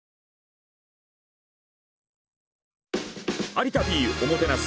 「有田Ｐおもてなす」。